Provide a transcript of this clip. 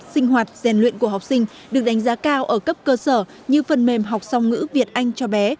sinh hoạt rèn luyện của học sinh được đánh giá cao ở cấp cơ sở như phần mềm học song ngữ việt anh cho bé